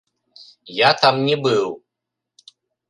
Я там не быў.